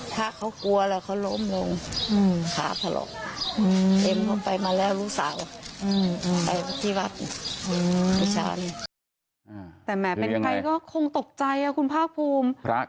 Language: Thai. ถ้าเขากลัวเขาล้มลงขาผลก